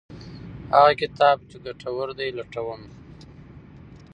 هغه کتاب چې ګټور دی لټوم.